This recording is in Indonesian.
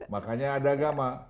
makanya ada agama